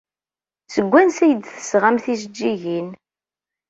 Seg wansi ay d-tesɣam tijeǧǧigin?